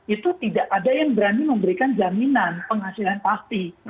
itu tidak ada yang berani memberikan jaminan penghasilan pasti